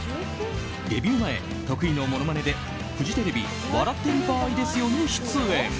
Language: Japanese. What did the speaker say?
デビュー前、得意のものまねでフジテレビ「笑ってる場合ですよ！」に出演。